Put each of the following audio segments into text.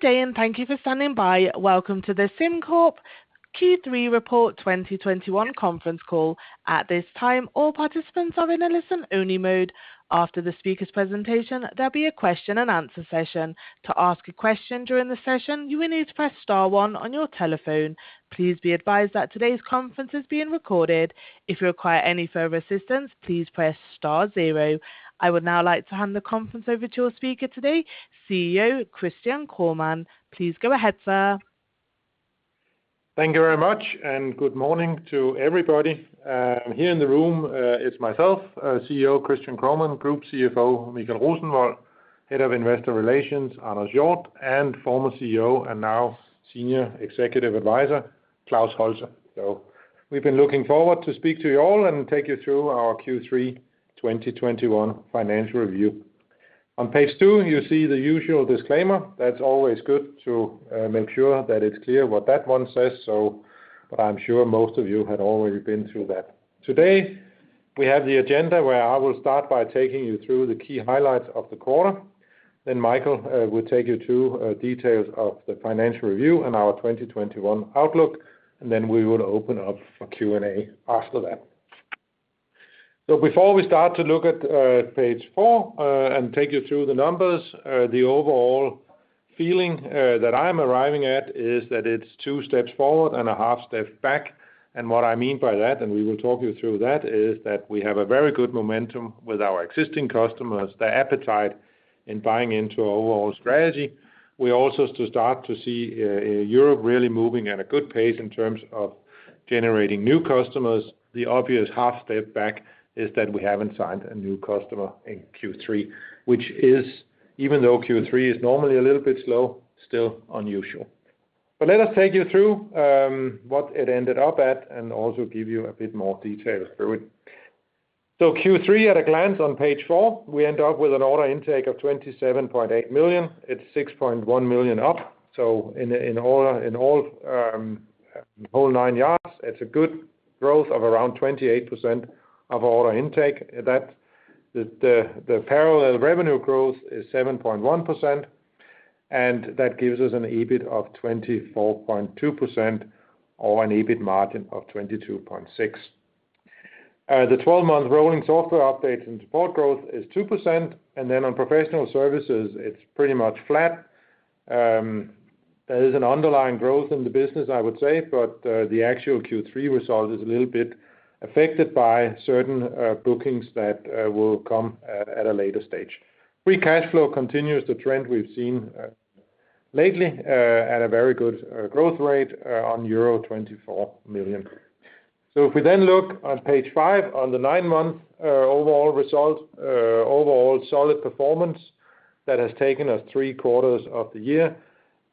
Good day, and thank you for standing by. Welcome to the SimCorp Q3 Report 2021 conference call. At this time, all participants are in a listen-only mode. After the speaker's presentation, there'll be a question and answer session. To ask a question during the session, you will need to press star one on your telephone. Please be advised that today's conference is being recorded. If you require any further assistance, please press star zero. I would now like to hand the conference over to our speaker today, CEO, Christian Kromann. Please go ahead, sir. Thank you very much, and good morning to everybody. Here in the room, it's myself, CEO Christian Kromann, Group CFO Michael Rosenvold, Head of Investor Relations Anders Hjort, and former CEO and now Senior Executive Advisor Klaus Holse. We've been looking forward to speak to you all and take you through our Q3 2021 financial review. On page two, you see the usual disclaimer. That's always good to make sure that it's clear what that one says, but I'm sure most of you had already been through that. Today, we have the agenda, where I will start by taking you through the key highlights of the quarter. Michael will take you through details of the financial review and our 2021 outlook. We will open up for Q&A after that. Before we start to look at page four and take you through the numbers, the overall feeling that I am arriving at is that it's two steps forward and a half step back. What I mean by that, and we will talk you through that, is that we have a very good momentum with our existing customers, their appetite in buying into our overall strategy. We also start to see Europe really moving at a good pace in terms of generating new customers. The obvious half step back is that we haven't signed a new customer in Q3, which is, even though Q3 is normally a little bit slow, still unusual. Let us take you through what it ended up at and also give you a bit more detail through it. Q3 at a glance on page four, we end up with an order intake of 27.8 million. It's 6.1 million up. In order, in all, whole nine yards, it's a good growth of around 28% of order intake. The parallel revenue growth is 7.1%, and that gives us an EBIT of 24.2% or an EBIT margin of 22.6%. The 12-month rolling software updates and support growth is 2%. On professional services, it's pretty much flat. There is an underlying growth in the business, I would say, but the actual Q3 result is a little bit affected by certain bookings that will come at a later stage. Free cash flow continues the trend we've seen lately at a very good growth rate on euro 24 million. If we then look on page five on the nine-month overall result, overall solid performance that has taken us three quarters of the year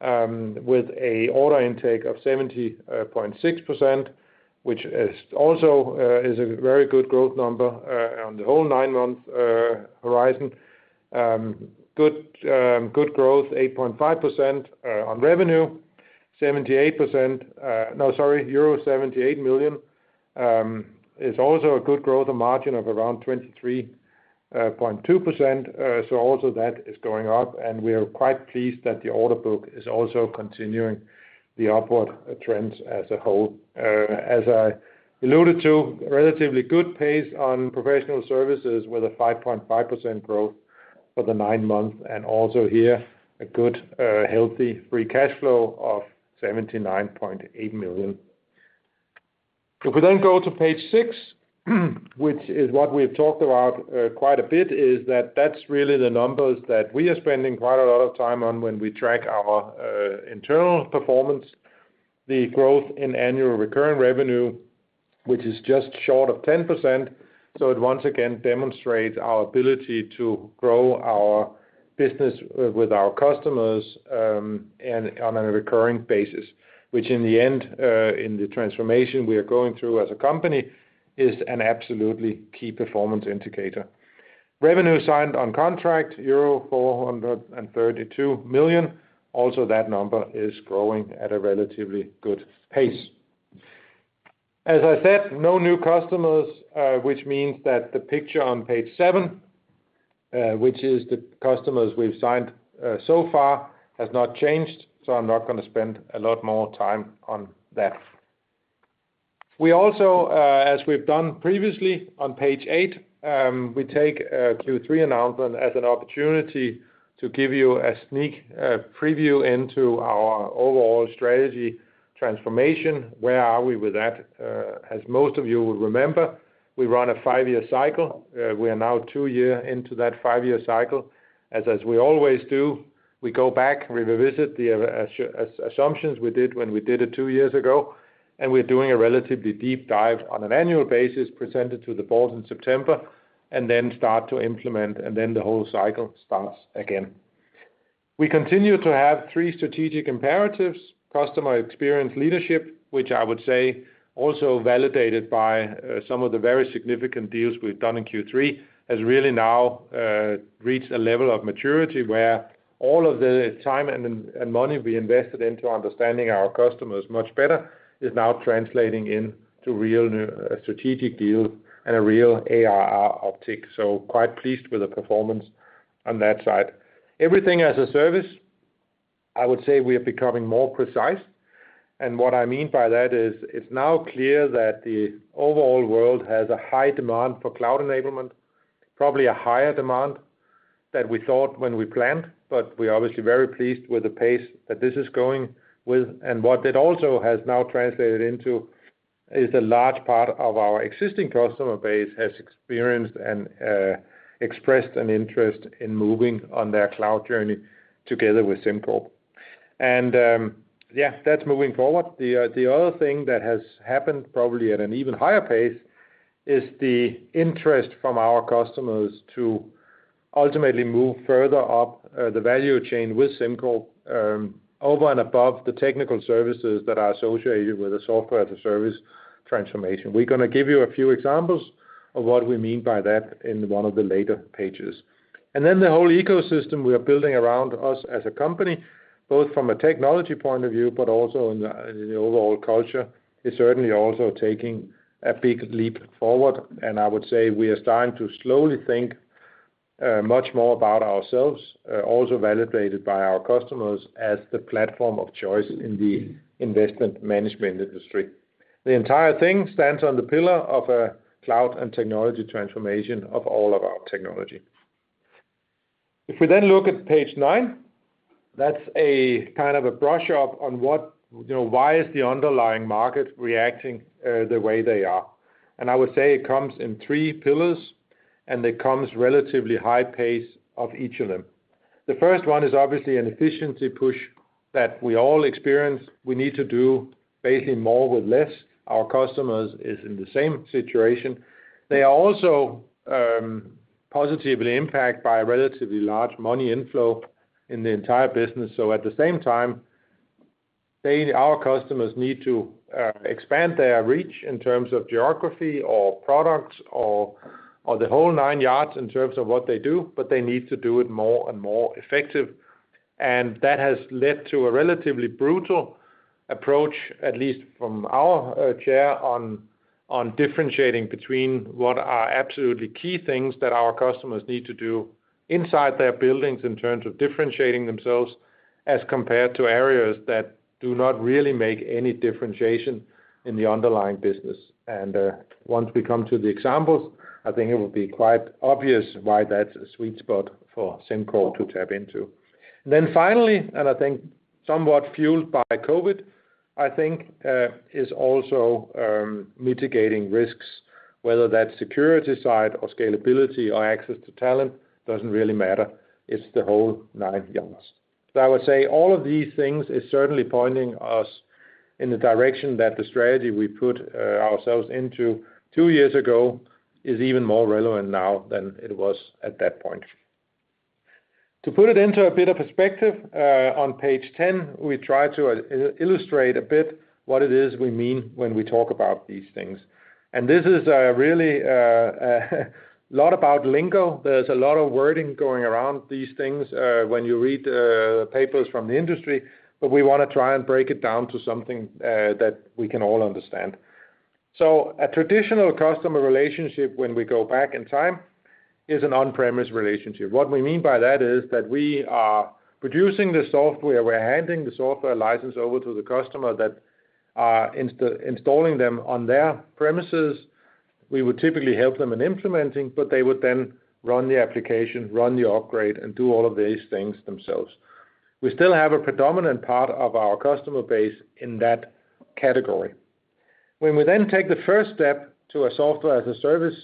with a order intake of 70.6%, which is also a very good growth number on the whole nine-month horizon. Good growth, 8.5% on revenue. Euro 78 million is also a good growth, a margin of around 23.2%. Also that is going up, and we are quite pleased that the order book is also continuing the upward trends as a whole. As I alluded to, relatively good pace on professional services with a 5.5% growth for the nine months and also here a good, healthy free cash flow of 79.8 million. If we then go to page six, which is what we've talked about quite a bit, that's really the numbers that we are spending quite a lot of time on when we track our internal performance. The growth in annual recurring revenue, which is just short of 10%, so it once again demonstrates our ability to grow our business with our customers, and on a recurring basis. Which in the end, in the transformation we are going through as a company is an absolutely key performance indicator. Revenue signed on contract euro 432 million. That number is growing at a relatively good pace. As I said, no new customers, which means that the picture on page seven, which is the customers we've signed, so far, has not changed. I'm not gonna spend a lot more time on that. We also, as we've done previously on page eight, we take a Q3 announcement as an opportunity to give you a sneak preview into our overall strategy transformation. Where are we with that? As most of you will remember, we run a five-year cycle. We are now two years into that five-year cycle. As we always do, we go back, we revisit the assumptions we did when we did it two years ago, and we're doing a relatively deep dive on an annual basis, present it to the board in September, and then start to implement, and then the whole cycle starts again. We continue to have three strategic imperatives, customer experience leadership, which I would say also validated by some of the very significant deals we've done in Q3, has really now reached a level of maturity where all of the time and money we invested into understanding our customers much better is now translating into real strategic deals and a real ARR optic. So quite pleased with the performance on that side. Everything as a service. I would say we are becoming more precise. What I mean by that is it's now clear that the overall world has a high demand for cloud enablement, probably a higher demand than we thought when we planned. We're obviously very pleased with the pace that this is going with. What it also has now translated into is a large part of our existing customer base has experienced and expressed an interest in moving on their cloud journey together with SimCorp. That's moving forward. The other thing that has happened probably at an even higher pace is the interest from our customers to ultimately move further up the value chain with SimCorp over and above the technical services that are associated with the software to service transformation. We're gonna give you a few examples of what we mean by that in one of the later pages. Then the whole ecosystem we are building around us as a company, both from a technology point of view, but also in the overall culture, is certainly also taking a big leap forward. I would say we are starting to slowly think much more about ourselves, also validated by our customers as the platform of choice in the investment management industry. The entire thing stands on the pillar of a cloud and technology transformation of all of our technology. If we then look at page nine, that's a kind of a brush up on what, you know, why is the underlying market reacting the way they are. I would say it comes in three pillars, and it comes relatively high pace of each of them. The first one is obviously an efficiency push that we all experience. We need to do basically more with less. Our customers is in the same situation. They are also positively impacted by a relatively large money inflow in the entire business. At the same time, our customers need to expand their reach in terms of geography or products or the whole nine yards in terms of what they do, but they need to do it more and more effective. That has led to a relatively brutal approach, at least from our chair, on differentiating between what are absolutely key things that our customers need to do inside their buildings in terms of differentiating themselves as compared to areas that do not really make any differentiation in the underlying business. Once we come to the examples, I think it will be quite obvious why that's a sweet spot for SimCorp to tap into. Finally, and I think somewhat fueled by COVID, I think is also mitigating risks, whether that's security side or scalability or access to talent, doesn't really matter. It's the whole nine yards. I would say all of these things is certainly pointing us in the direction that the strategy we put ourselves into two years ago is even more relevant now than it was at that point. To put it into a bit of perspective, on page 10, we try to illustrate a bit what it is we mean when we talk about these things. This is really a lot about lingo. There's a lot of wording going around these things when you read papers from the industry. We wanna try and break it down to something that we can all understand. A traditional customer relationship when we go back in time is an on-premise relationship. What we mean by that is that we are producing the software, we're handing the software license over to the customer that are installing them on their premises. We would typically help them in implementing, but they would then run the application, run the upgrade, and do all of these things themselves. We still have a predominant part of our customer base in that category. When we take the first step to a software as a service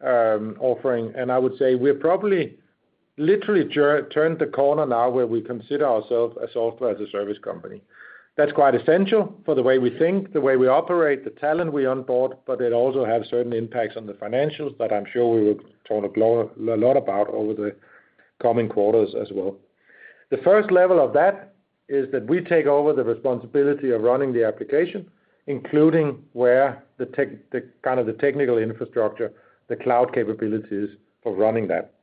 offering, and I would say we're probably literally turned the corner now where we consider ourselves a software as a service company. That's quite essential for the way we think, the way we operate, the talent we onboard, but it also have certain impacts on the financials that I'm sure we will talk a lot about over the coming quarters as well. The first level of that is that we take over the responsibility of running the application, including the kind of the technical infrastructure, the cloud capabilities for running that.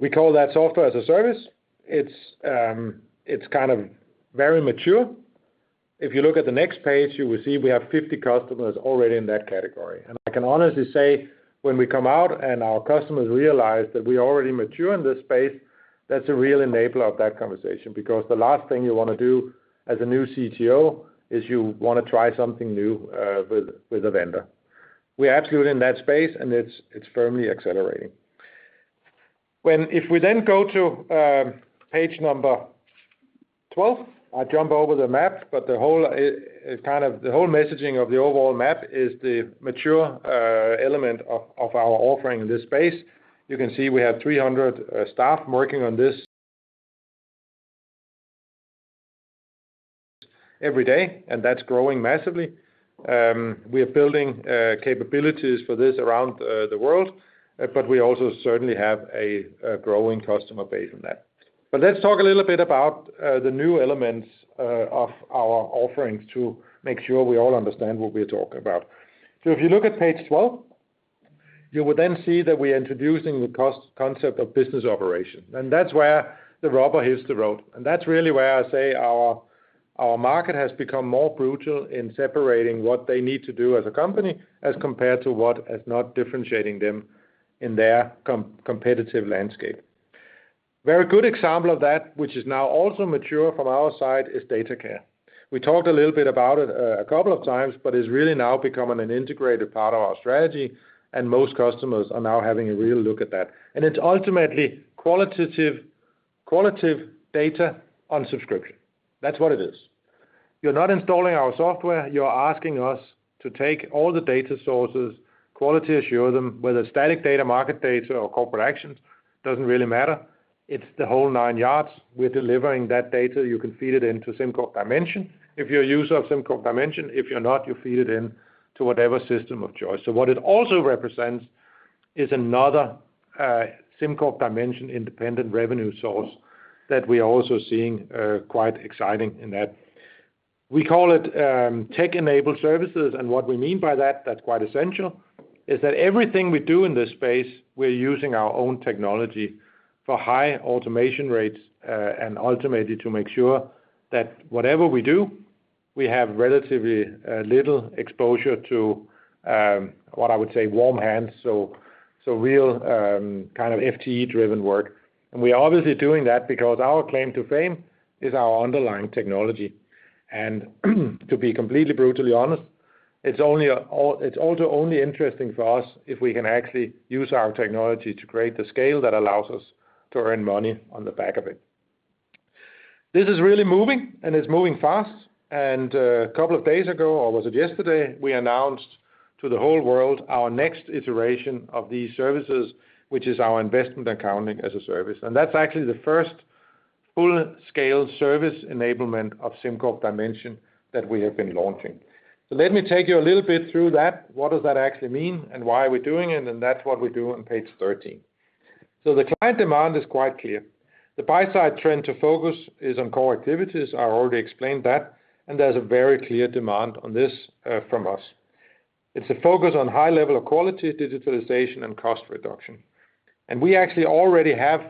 We call that software as a service. It's kind of very mature. If you look at the next page, you will see we have 50 customers already in that category. I can honestly say when we come out and our customers realize that we are already mature in this space, that's a real enabler of that conversation because the last thing you wanna do as a new CTO is you wanna try something new with a vendor. We're absolutely in that space, and it's firmly accelerating. If we then go to page number twelve, I jump over the map, but the whole kind of the whole messaging of the overall map is the mature element of our offering in this space. You can see we have 300 staff working on this every day, and that's growing massively. We are building capabilities for this around the world, but we also certainly have a growing customer base on that. Let's talk a little bit about the new elements of our offerings to make sure we all understand what we're talking about. If you look at page 12, you will then see that we're introducing the concept of business operation. That's where the rubber hits the road. That's really where I say our market has become more brutal in separating what they need to do as a company as compared to what is not differentiating them in their competitive landscape. Very good example of that, which is now also mature from our side, is DataCare. We talked a little bit about it a couple of times, but it's really now becoming an integrated part of our strategy, and most customers are now having a real look at that. It's ultimately quality data on subscription. That's what it is. You're not installing our software, you're asking us to take all the data sources, quality assure them, whether static data, market data, or corporate actions, doesn't really matter. It's the whole nine yards. We're delivering that data. You can feed it into SimCorp Dimension if you're a user of SimCorp Dimension. If you're not, you feed it into whatever system of choice. What it also represents is another, SimCorp Dimension independent revenue source that we are also seeing, quite exciting in that. We call it, tech-enabled services, and what we mean by that's quite essential, is that everything we do in this space, we're using our own technology for high automation rates, and ultimately to make sure that whatever we do, we have relatively, little exposure to, what I would say warm hands, so real, kind of FTE-driven work. We are obviously doing that because our claim to fame is our underlying technology. To be completely brutally honest, it's only, it's also only interesting for us if we can actually use our technology to create the scale that allows us to earn money on the back of it. This is really moving, and it's moving fast. A couple of days ago, or was it yesterday, we announced to the whole world our next iteration of these services, which is our Investment Accounting as a Service. That's actually the first full-scale service enablement of SimCorp Dimension that we have been launching. Let me take you a little bit through that, what does that actually mean, and why are we doing it, and that's what we do on page thirteen. The client demand is quite clear. The buy-side trend to focus is on core activities. I already explained that, and there's a very clear demand on this from us. It's a focus on high level of quality, digitalization, and cost reduction. We actually already have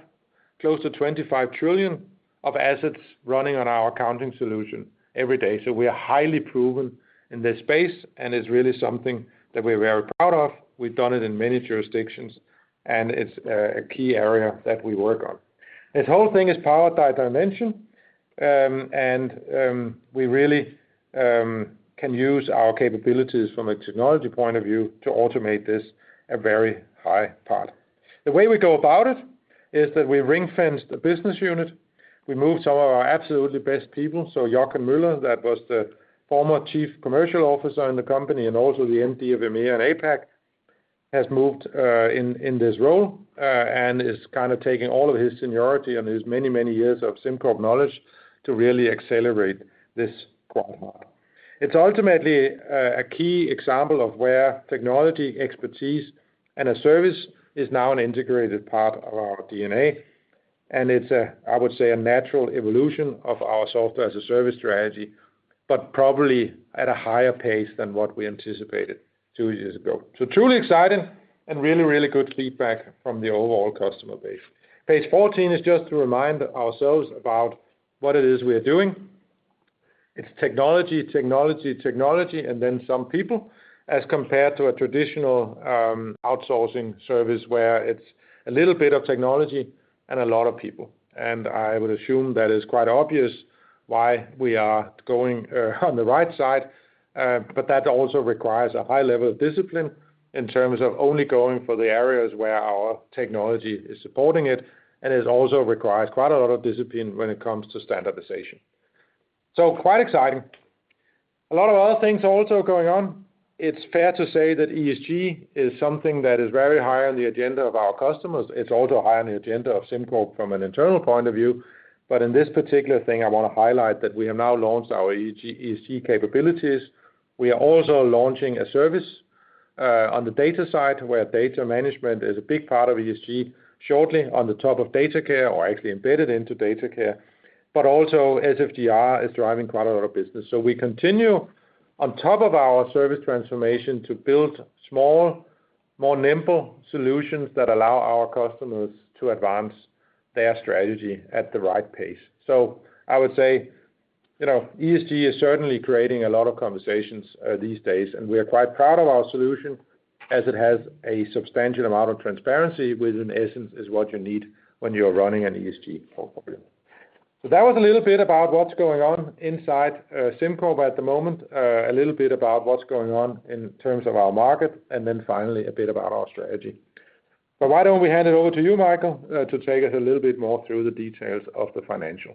close to 25 trillion of assets running on our accounting solution every day. We are highly proven in this space, and it's really something that we're very proud of. We've done it in many jurisdictions, and it's a key area that we work on. This whole thing is powered by Dimension. We really can use our capabilities from a technology point of view to automate this a very high part. The way we go about it is that we ring-fence the business unit. We move some of our absolutely best people. Jochen Müller, former Chief Commercial Officer in the company and also the MD of EMEA and APAC, has moved in this role and is kind of taking all of his seniority and his many, many years of SimCorp knowledge to really accelerate this growth model. It's ultimately a key example of where technology expertise and a service is now an integrated part of our DNA. It's, I would say, a natural evolution of our software-as-a-service strategy, but probably at a higher pace than what we anticipated two years ago. Truly exciting and really, really good feedback from the overall customer base. Page 14 is just to remind ourselves about what it is we are doing. It's technology, and then some people, as compared to a traditional outsourcing service where it's a little bit of technology and a lot of people. I would assume that is quite obvious why we are going on the right side. That also requires a high level of discipline in terms of only going for the areas where our technology is supporting it, and it also requires quite a lot of discipline when it comes to standardization. Quite exciting. A lot of other things also going on. It's fair to say that ESG is something that is very high on the agenda of our customers. It's also high on the agenda of SimCorp from an internal point of view. In this particular thing, I want to highlight that we have now launched our ESG capabilities. We are also launching a service on the data side, where data management is a big part of ESG, shortly on top of DataCare or actually embedded into DataCare. SFDR is driving quite a lot of business. We continue on top of our service transformation to build small, more nimble solutions that allow our customers to advance their strategy at the right pace. I would say, you know, ESG is certainly creating a lot of conversations these days, and we are quite proud of our solution as it has a substantial amount of transparency, which in essence is what you need when you're running an ESG portfolio. That was a little bit about what's going on inside SimCorp at the moment, a little bit about what's going on in terms of our market, and then finally a bit about our strategy. Why don't we hand it over to you, Michael, to take us a little bit more through the details of the financial.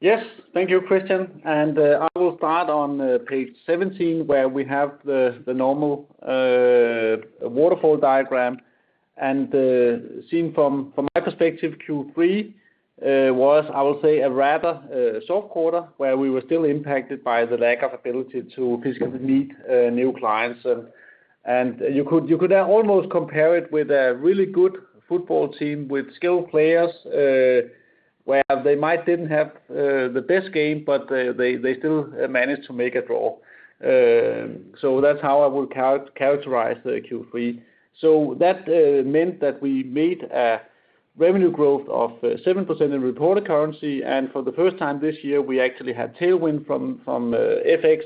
Yes. Thank you, Christian. I will start on page 17, where we have the normal waterfall diagram. Seen from my perspective, Q3 was, I will say, a rather soft quarter where we were still impacted by the lack of ability to physically meet new clients. You could almost compare it with a really good football team with skilled players, where they might didn't have the best game, but they still managed to make a draw. That's how I would characterize the Q3. That meant that we made a revenue growth of 7% in reported currency. For the first time this year, we actually had tailwind from FX,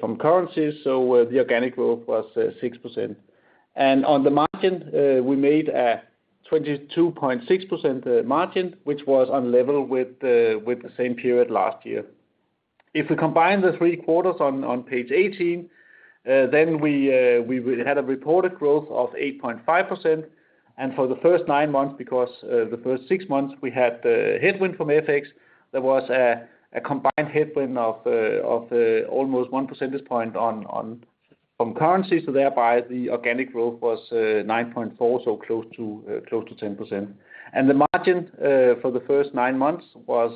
from currencies, so the organic growth was 6%. On the margin, we made a 22.6% margin, which was on level with the same period last year. If we combine the three quarters on page 18, then we had a reported growth of 8.5%. For the first nine months, because the first six months, we had the headwind from FX, there was a combined headwind of almost one percentage point from currencies. Thereby, the organic growth was 9.4%, so close to 10%. The margin for the first nine months was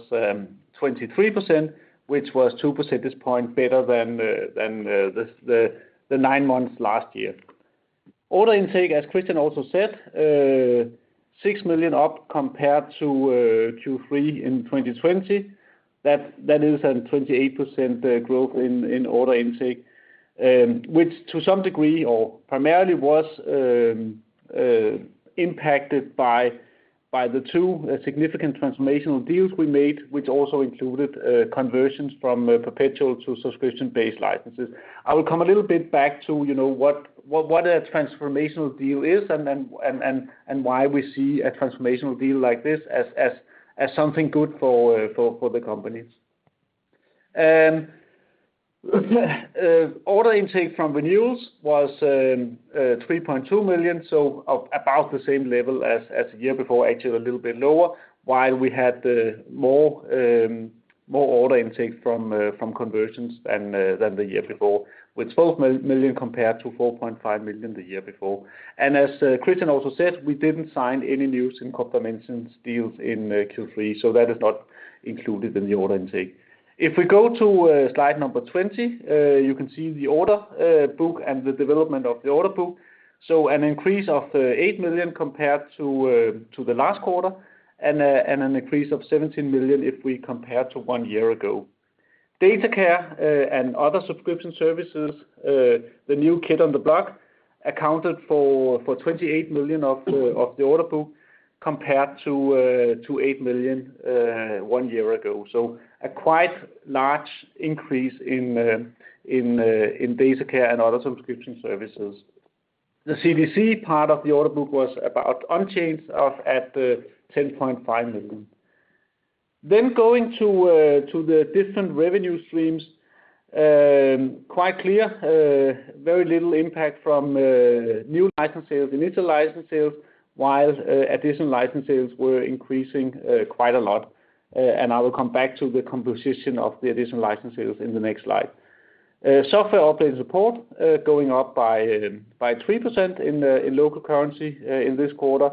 23%, which was two percentage point better than the nine months last year. Order intake, as Christian also said, 6 million up compared to Q3 in 2020. That is a 28% growth in order intake, which to some degree or primarily was impacted by the two significant transformational deals we made, which also included conversions from perpetual to subscription-based licenses. I will come a little bit back to, you know, what a transformational deal is and then why we see a transformational deal like this as something good for the company. Order intake from renewals was 3.2 million, so about the same level as the year before, actually a little bit lower, while we had more order intake from conversions than the year before, with 12 million compared to 4.5 million the year before. As Christian also said, we didn't sign any new SimCorp Dimension deals in Q3, so that is not included in the order intake. If we go to slide number 20, you can see the order book and the development of the order book. An increase of 8 million compared to the last quarter and an increase of 17 million if we compare to one year ago. DataCare and other subscription services, the new kid on the block, accounted for 28 million of the order book compared to 8 million one year ago. A quite large increase in DataCare and other subscription services. The CVC part of the order book was about unchanged at 10.5 million. Going to the different revenue streams, quite clear, very little impact from new license sales, initial license sales, while additional license sales were increasing quite a lot. I will come back to the composition of the additional license sales in the next slide. Software update and support going up by 3% in local currency in this quarter.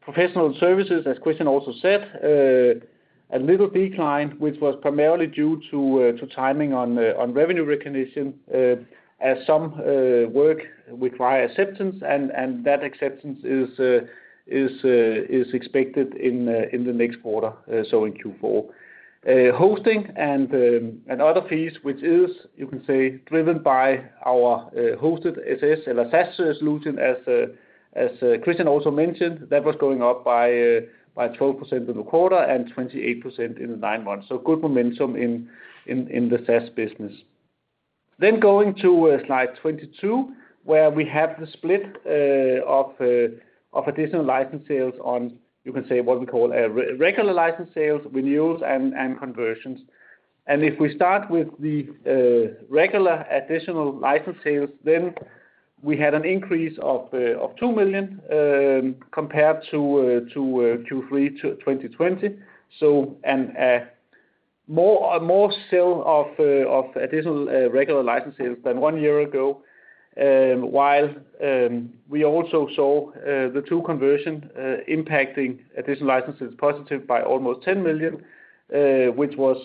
Professional services, as Christian also said, a little decline, which was primarily due to timing on revenue recognition, as some work require acceptance and that acceptance is expected in the next quarter, so in Q4. Hosting and other fees, which is, you can say, driven by our hosted SaaS or SaaS solution as Christian also mentioned, that was going up by 12% in the quarter and 28% in the nine months. Good momentum in the SaaS business. Going to slide 22, where we have the split of additional license sales on, you can say, what we call, regular license sales, renewals, and conversions. If we start with the regular additional license sales, then we had an increase of 2 million compared to Q3 2020. More sales of additional regular license sales than one year ago, while we also saw the two conversions impacting additional licenses positive by almost 10 million, which was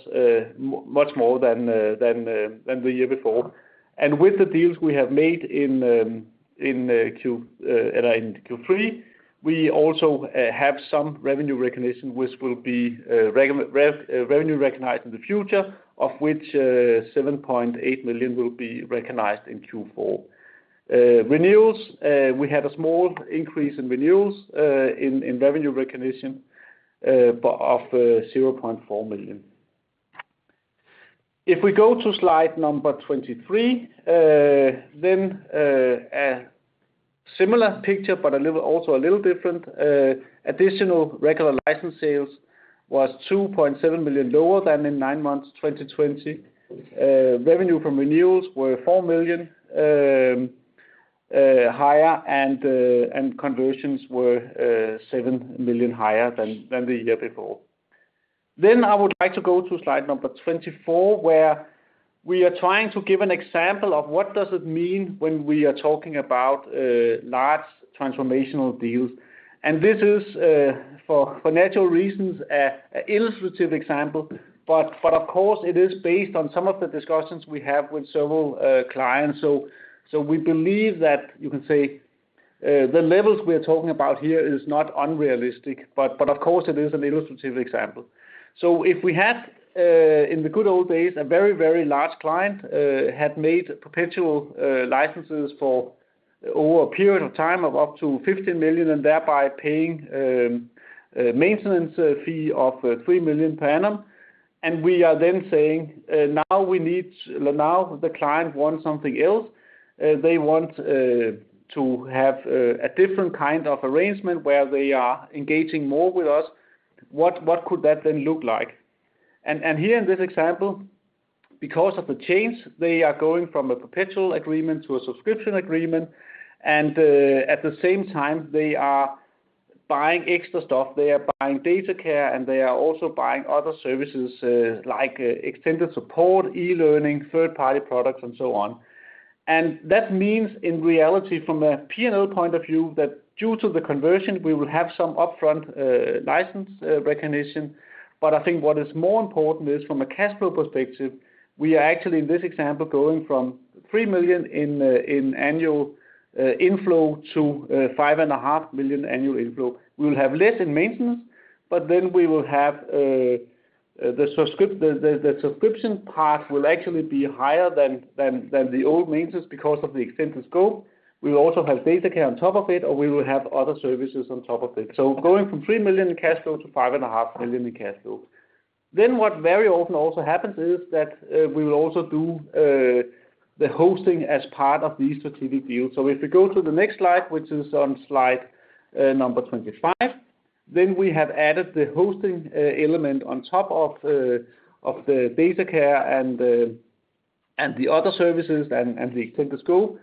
much more than the year before. With the deals we have made in Q3, we also have some revenue recognition, which will be revenue recognized in the future, of which 7.8 million will be recognized in Q4. Renewals, we had a small increase in renewals in revenue recognition, but of 0.4 million. If we go to slide number 23, a similar picture, but a little also a little different. Additional regular license sales was 2.7 million lower than in nine months 2020. Revenue from renewals were 4 million higher and conversions were 7 million higher than the year before. I would like to go to slide number 24, where we are trying to give an example of what does it mean when we are talking about large transformational deals. This is for natural reasons an illustrative example, but of course, it is based on some of the discussions we have with several clients. We believe that you can say the levels we are talking about here is not unrealistic, but of course, it is an illustrative example. If we had in the good old days a very large client had made perpetual licenses for over a period of time of up to 15 million, and thereby paying maintenance fee of 3 million per annum. We are then saying now the client wants something else. They want to have a different kind of arrangement where they are engaging more with us. What could that then look like? Here in this example, because of the change, they are going from a perpetual agreement to a subscription agreement. At the same time, they are buying extra stuff, they are buying DataCare, and they are also buying other services like extended support, e-learning, third-party products, and so on. That means, in reality, from a P&L point of view, that due to the conversion, we will have some upfront license recognition. But I think what is more important is from a cash flow perspective, we are actually, in this example, going from 3 million in annual inflow to 5.5 million annual inflow. We'll have less in maintenance, but then we will have the subscription part will actually be higher than the old maintenance because of the extended scope. We will also have DataCare on top of it, or we will have other services on top of it. Going from 3 million in cash flow to 5.5 million in cash flow. What very often also happens is that we will also do the hosting as part of these strategic deals. If we go to the next slide, which is on slide number 25, then we have added the hosting element on top of the DataCare and the other services and the extended scope.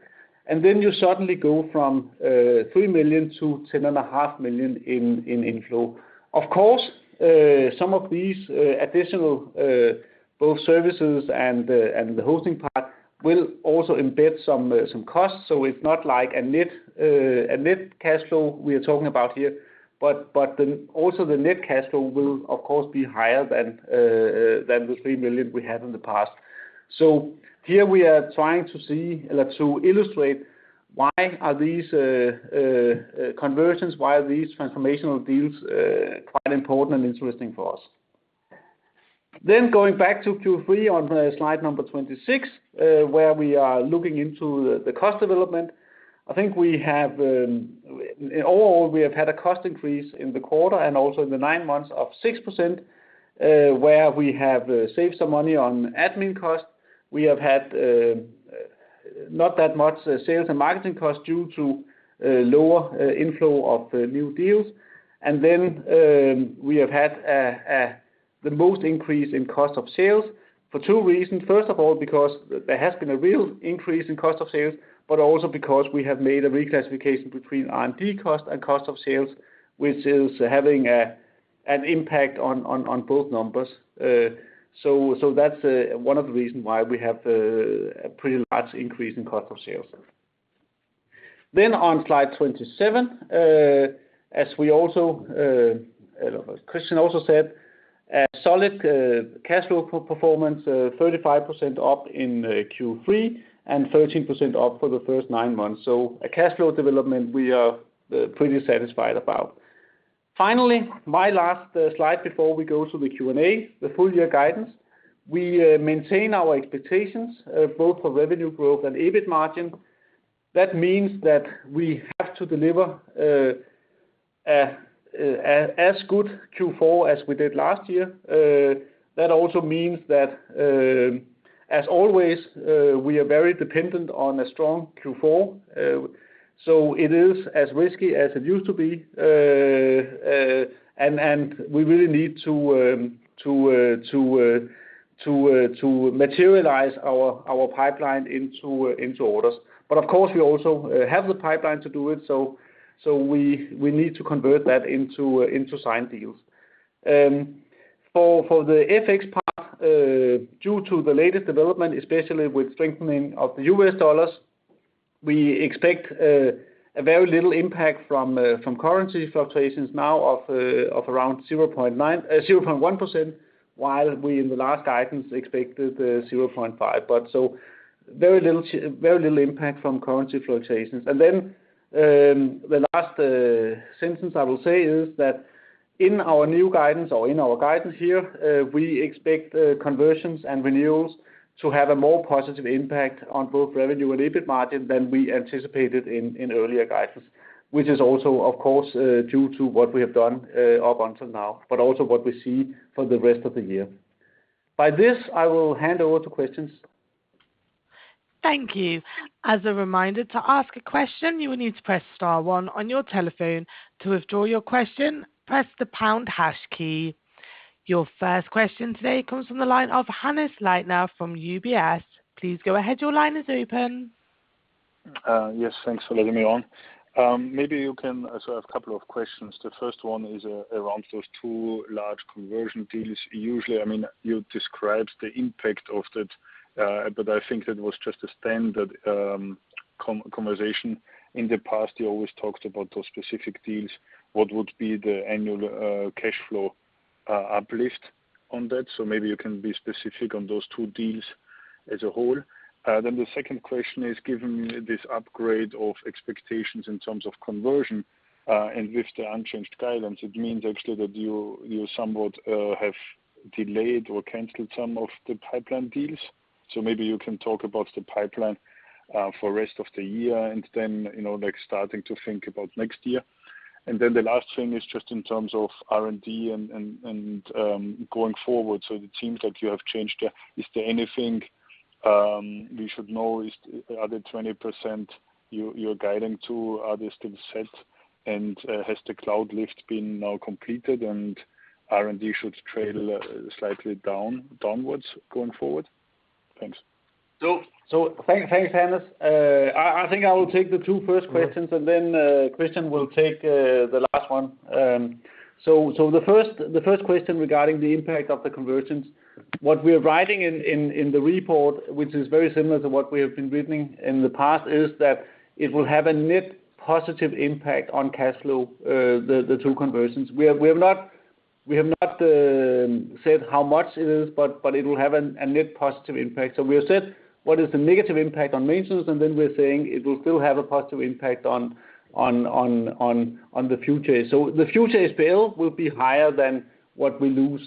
You suddenly go from 3 million to 10.5 million in inflow. Of course, some of these additional both services and the hosting part will also embed some costs. It's not like a net cash flow we are talking about here. Also the net cash flow will of course be higher than 3 million we had in the past. Here we are trying to see, like, to illustrate why are these conversions, why are these transformational deals quite important and interesting for us. Going back to Q3 on slide number 26, where we are looking into the cost development. I think we have overall, we have had a cost increase in the quarter and also in the nine months of 6%, where we have saved some money on admin costs. We have had not that much sales and marketing costs due to lower inflow of the new deals. We have had the most increase in cost of sales for two reasons. First of all, because there has been a real increase in cost of sales, but also because we have made a reclassification between R&D costs and cost of sales, which is having an impact on both numbers. So that's one of the reason why we have a pretty large increase in cost of sales. On slide 27, as we also, Christian also said, a solid cash flow performance, 35% up in Q3 and 13% up for the first nine months. A cash flow development we are pretty satisfied about. Finally, my last slide before we go to the Q&A, the full year guidance. We maintain our expectations both for revenue growth and EBIT margin. That means that we have to deliver as good Q4 as we did last year. That also means that, as always, we are very dependent on a strong Q4. It is as risky as it used to be, and we really need to materialize our pipeline into orders. Of course, we also have the pipeline to do it, we need to convert that into signed deals. For the FX part, due to the latest development, especially with strengthening of the U.S. dollars, we expect a very little impact from currency fluctuations now of around 0.1%, while we in the last guidance expected 0.5%. Very little impact from currency fluctuations. The last sentence I will say is that in our new guidance or in our guidance here, we expect conversions and renewals to have a more positive impact on both revenue and EBIT margin than we anticipated in earlier guidance, which is also, of course, due to what we have done up until now, but also what we see for the rest of the year. By this, I will hand over to questions. Thank you. As a reminder to ask a question, you will need to press star one on your telephone. To withdraw your question, press the pound hash key. Your first question today comes from the line of Hannes Leitner from UBS. Please go ahead, your line is open. Yes, thanks for letting me on. I have a couple of questions. The first one is around those two large conversion deals. Usually, I mean, you described the impact of that, but I think that was just a standard conversation. In the past, you always talked about those specific deals. What would be the annual cash flow uplift on that? Maybe you can be specific on those two deals as a whole. Then the second question is, given this upgrade of expectations in terms of conversion, and with the unchanged guidance, it means actually that you somewhat have Delayed or canceled some of the pipeline deals. Maybe you can talk about the pipeline for rest of the year, and then, you know, like starting to think about next year. The last thing is just in terms of R&D and going forward. It seems like you have changed. Is there anything we should know? Is the other 20% you're guiding to, are they still set? Has the cloud lift been now completed and R&D should trade slightly down, downwards going forward? Thanks. Thanks, Hannes. I think I will take the two first questions and then Christian will take the last one. The first question regarding the impact of the conversions. What we're writing in the report, which is very similar to what we have written in the past, is that it will have a net positive impact on cash flow, the two conversions. We have not said how much it is, but it will have a net positive impact. We have said what the negative impact on maintenance is, and then we're saying it will still have a positive impact on the future. The future spend will be higher than what we lose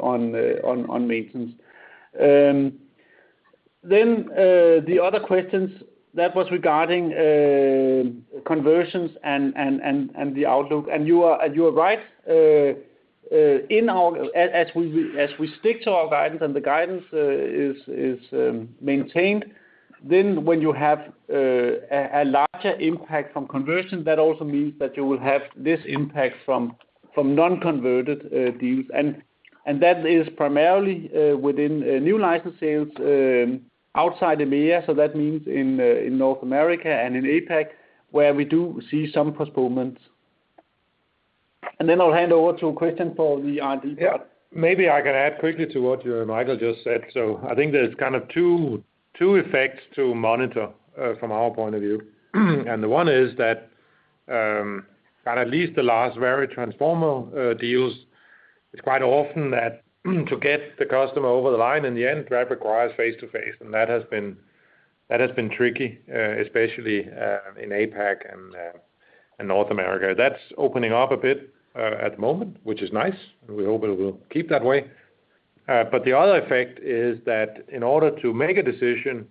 on maintenance. The other questions that was regarding conversions and the outlook, and you are right. As we stick to our guidance and the guidance is maintained, when you have a larger impact from conversion, that also means that you will have this impact from non-converted deals. That is primarily within new license sales outside EMEA. That means in North America and in APAC, where we do see some postponements. I'll hand over to Christian for the R&D part. Yeah. Maybe I can add quickly to what Michael just said. I think there's kind of two effects to monitor from our point of view. The one is that at least the last very transformative deals, it's quite often that to get the customer over the line in the end requires face to face. That has been tricky, especially in APAC and in North America. That's opening up a bit at the moment, which is nice. We hope it will keep that way. The other effect is that in order to make a decision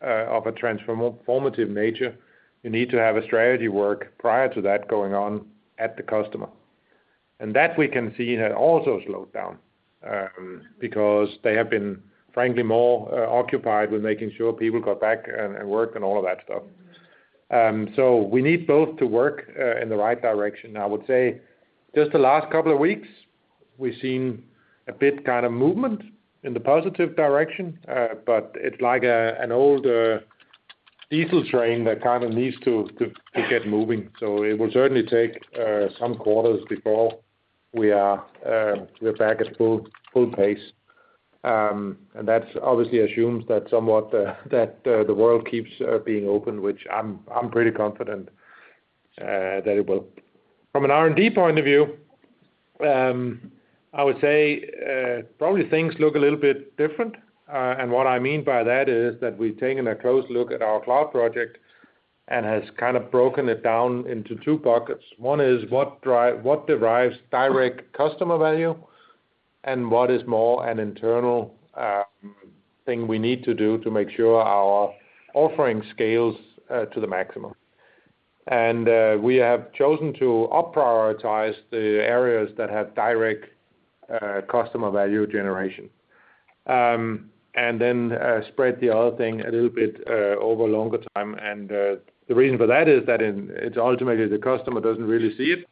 of a transformative nature, you need to have a strategy work prior to that going on at the customer. That we can see has also slowed down, because they have been, frankly, more occupied with making sure people got back and work and all of that stuff. We need both to work in the right direction. I would say just the last couple of weeks, we've seen a bit kind of movement in the positive direction. But it's like an old diesel train that kind of needs to get moving. It will certainly take some quarters before we are back at full pace. That obviously assumes that somewhat that the world keeps being open, which I'm pretty confident that it will. From an R&D point of view, I would say probably things look a little bit different. What I mean by that is that we've taken a close look at our cloud project and has kind of broken it down into two buckets. One is what derives direct customer value, and what is more an internal thing we need to do to make sure our offering scales to the maximum. We have chosen to up prioritize the areas that have direct customer value generation. Spread the other thing a little bit over longer time. The reason for that is that it's ultimately the customer doesn't really see it.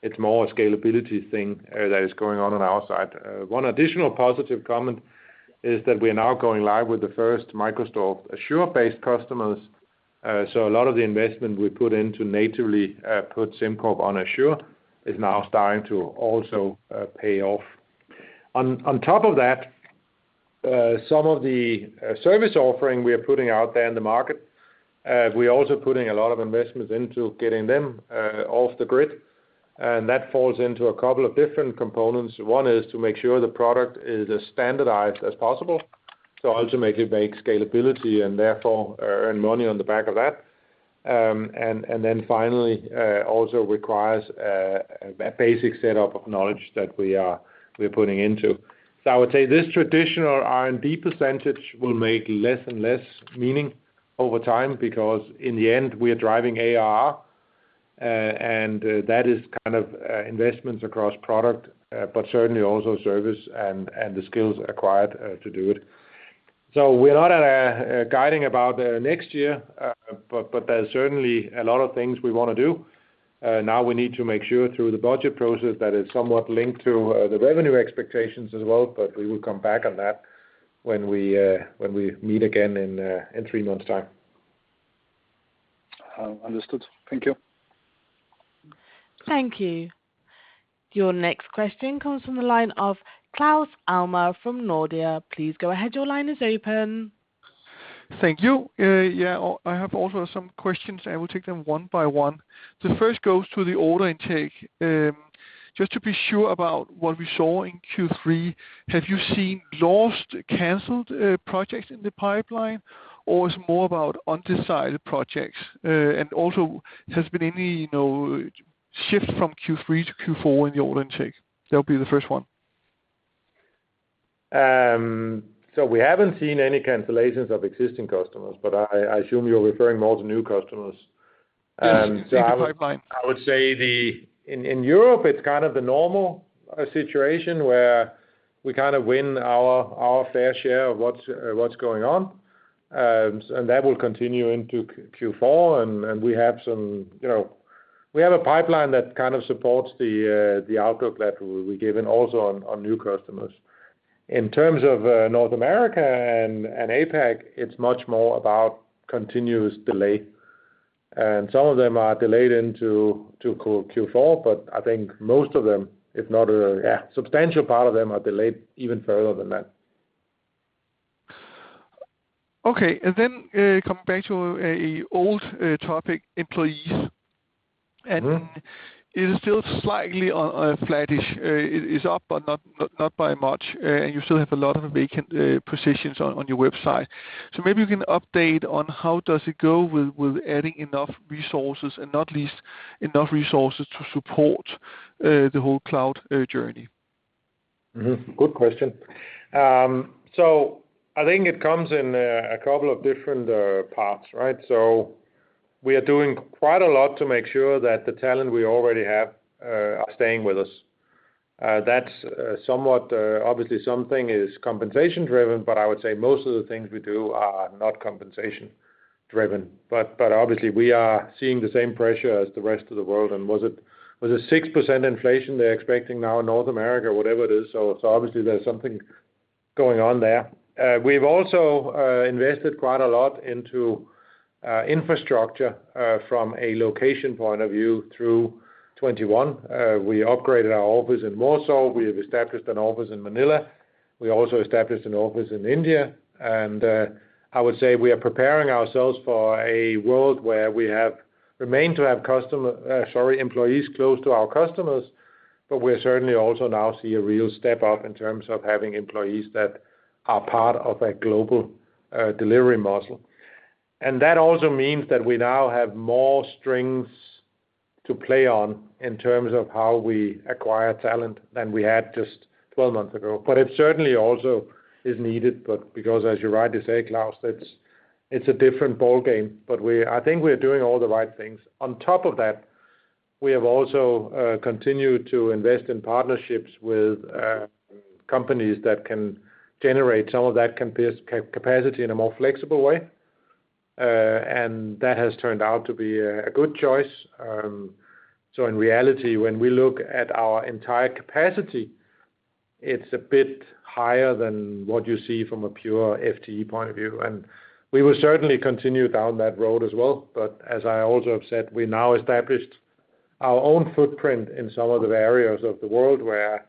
It's more a scalability thing that is going on our side. One additional positive comment is that we are now going live with the first Microsoft Azure-based customers. A lot of the investment we put into natively put SimCorp on Azure is now starting to also pay off. On top of that, some of the service offering we are putting out there in the market, we're also putting a lot of investments into getting them off the grid, and that falls into a couple of different components. One is to make sure the product is as standardized as possible to ultimately make scalability and therefore earn money on the back of that. Then finally also requires a basic set of knowledge that we're putting into. I would say this traditional R&D percentage will make less and less meaning over time because in the end we are driving ARR, and that is kind of investments across product, but certainly also service and the skills acquired to do it. We're not guiding about next year, but there's certainly a lot of things we wanna do. Now we need to make sure through the budget process that is somewhat linked to the revenue expectations as well. We will come back on that when we meet again in three months' time. Understood. Thank you. Thank you. Your next question comes from the line of Claus Almer from Nordea. Please go ahead. Your line is open. Thank you. Yeah, I have also some questions. I will take them one by one. The first goes to the order intake. Just to be sure about what we saw in Q3, have you seen lost, canceled projects in the pipeline or is it more about undecided projects? And also has there been any shift from Q3 to Q4 in the order intake. That'll be the first one. We haven't seen any cancellations of existing customers, but I assume you're referring more to new customers. Yes. In the pipeline. I would say in Europe, it's kind of the normal situation where we kind of win our fair share of what's going on. That will continue into Q4. We have a pipeline that kind of supports the outlook that we gave and also on new customers. In terms of North America and APAC, it's much more about continuous delay, and some of them are delayed into Q4, but I think most of them, if not all, a substantial part of them are delayed even further than that. Okay. Coming back to a old topic, employees. It is still slightly flattish. It is up, but not by much. You still have a lot of vacant positions on your website. Maybe you can update on how it goes with adding enough resources and not least enough resources to support the whole cloud journey. Good question. I think it comes in a couple of different parts, right? We are doing quite a lot to make sure that the talent we already have are staying with us. That's somewhat obviously something is compensation driven, but I would say most of the things we do are not compensation driven. Obviously we are seeing the same pressure as the rest of the world. Was it 6% inflation they're expecting now in North America or whatever it is, so obviously there's something going on there. We've also invested quite a lot into infrastructure from a location point of view through 2021. We upgraded our office in Warsaw. We have established an office in Manila. We also established an office in India. I would say we are preparing ourselves for a world where we have employees close to our customers, but we certainly also now see a real step up in terms of having employees that are part of a global delivery model. That also means that we now have more strings to play on in terms of how we acquire talent than we had just 12 months ago. It certainly also is needed because as you rightly say, Claus, that it's a different ballgame. I think we're doing all the right things. On top of that, we have also continued to invest in partnerships with companies that can generate some of that capacity in a more flexible way. That has turned out to be a good choice. In reality, when we look at our entire capacity, it's a bit higher than what you see from a pure FTE point of view. We will certainly continue down that road as well, but as I also have said, we now established our own footprint in some of the areas of the world where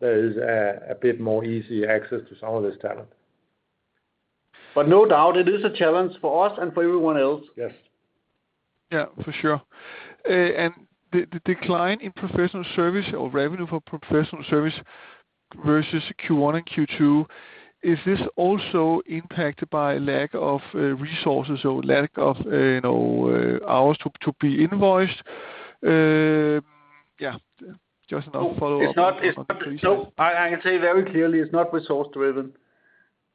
there is a bit more easier access to some of this talent. No doubt it is a challenge for us and for everyone else. Yes. Yeah, for sure. The decline in professional service or revenue for professional service versus Q1 and Q2, is this also impacted by lack of resources or lack of you know hours to be invoiced? Yeah, just a follow-up. It's not. I can tell you very clearly, it's not resource driven.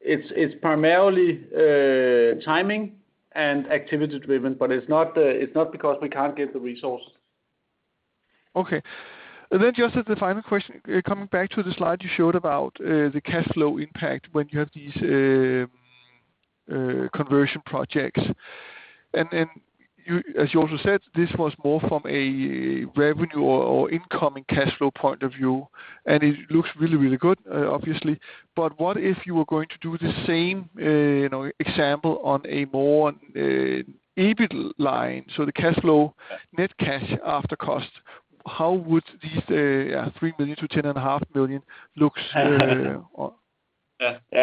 It's primarily timing and activity driven, but it's not because we can't get the resources. Okay. Just as the final question, coming back to the slide you showed about the cash flow impact when you have these conversion projects. As you also said, this was more from a revenue or incoming cash flow point of view, and it looks really good, obviously. What if you were going to do the same, you know, example on a more EBIT line, so the cash flow- Yeah. Net cash after cost, how would these 3 billion-10.5 billion look, on?